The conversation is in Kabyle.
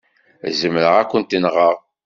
Zemreɣ ad kent-nɣeɣ.